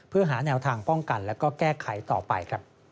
เพื่อหาแนวทางป้องกันและแก้ไขต่อไป